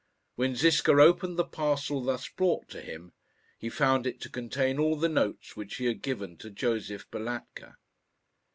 When Ziska opened the parcel thus brought to him, he found it to contain all the notes which he had given to Josef Balatka.